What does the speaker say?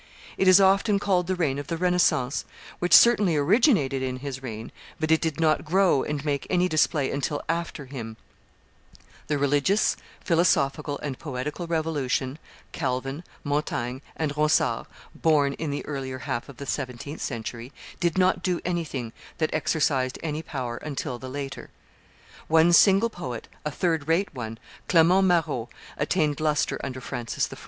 it is often called the reign of the Renaissance, which certainly originated in his reign, but it did not grow and make any display until after him; the religious, philosophical, and poetical revolution, Calvin, Montaigne, and Ronsard, born in the earlier half of the seventeenth century, did not do anything that exercised any power until the later. One single poet, a third rate one, Clement Marot, attained lustre under Francis I.